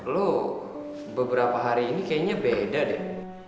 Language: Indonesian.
lu beberapa hari ini kayaknya beda deh